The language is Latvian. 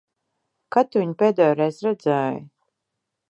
Kad tu viņu pēdējoreiz redzēji?